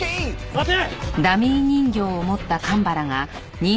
待て！